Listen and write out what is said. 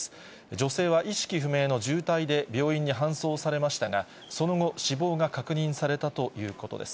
女性は意識不明の重体で病院に搬送されましたが、その後、死亡が確認されたということです。